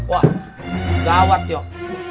wah gawat yuk